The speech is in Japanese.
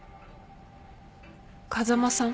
風間さん？